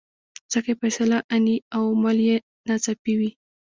ځکه یې فیصله آني او عمل یې ناڅاپي وي.